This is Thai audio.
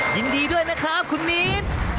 ยินดีด้วยนะครับคุณนิด